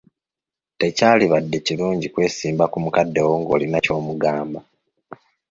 Tekyandibadde kirungi kwesimba ku mukadde wo ng'olina ky'omugamba.